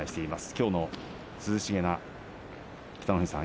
きょうも涼しげな北の富士さん